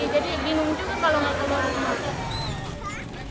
jadi bingung juga kalau nggak kebaran